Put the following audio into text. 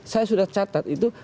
saya sudah catat itu